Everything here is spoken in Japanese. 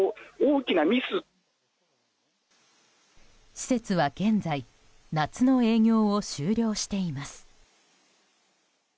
施設は現在夏の営業を終了しています。